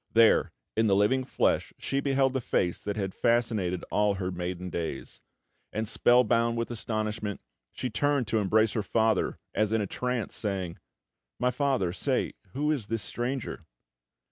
There, in the living flesh, she beheld the face that had fascinated all her maiden days; and, spellbound with astonishment, she turned to embrace her father, as in a trance, saying: "My father, say, who is this stranger?"